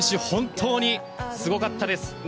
本当にすごかったです。